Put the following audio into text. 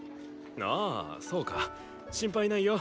ああそうか心配ないよ。